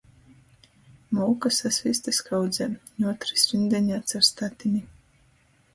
Molka sasvīsta skaudzē, ņuotris rindeņā car statini.